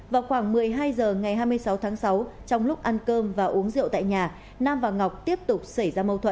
vào khoảng một mươi hai h ngày hai mươi sáu tháng sáu trong lúc ăn cơm và uống rượu tại nhà nam và ngọc tiếp tục xảy ra mâu thuẫn